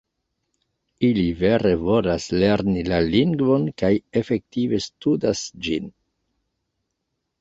Ili vere volas lerni la lingvon kaj efektive studas ĝin.